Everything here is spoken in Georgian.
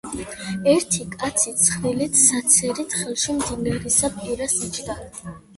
ერთი კაცი ცხრილით საცერით ხელში მდინარისა პირას იჯდა.